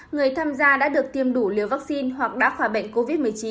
người tham gia đã được tiêm đủ liều vaccine hoặc đá khóa bệnh covid một mươi chín